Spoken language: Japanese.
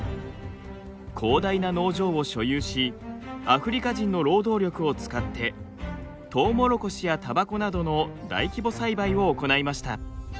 広大な農場を所有しアフリカ人の労働力を使ってトウモロコシやタバコなどの大規模栽培を行いました。